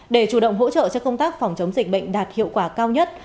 để chủ động hỗ trợ cho công tác phòng chống dịch bệnh đạt hiệu quả cao nhất